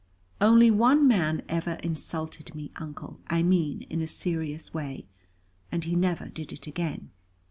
"Only one man ever insulted me, Uncle, I mean in a serious way, and he never did it again."